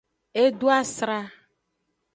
E do asra.